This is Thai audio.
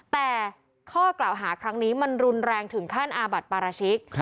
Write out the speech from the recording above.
แต่ข้อกล่าวหาครั้งนี้มันรุนแรงถึงขั้นอาบัติปราชิก